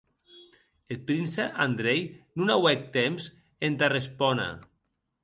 Eth prince Andrei non auec temps entà respòner.